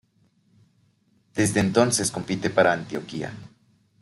Desde entonces compite para Antioquia.